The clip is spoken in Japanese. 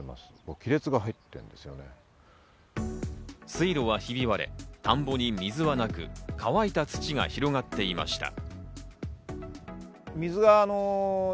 水路はひび割れ、田んぼに水はなく乾いた土が広がっていました。